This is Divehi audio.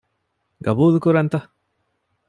ގަބޫލުކުރަންތަ؟